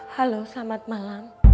halo selamat malam